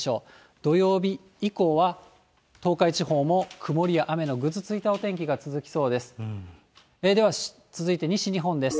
土曜日以降は東海地方も曇りや雨のぐずついたお天気が続きそうです。